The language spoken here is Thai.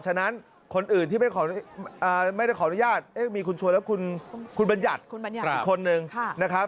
ฉะนั้นคนอื่นที่ไม่ได้ขออนุญาตมีคุณชวนและคุณบัญญัติอีกคนนึงนะครับ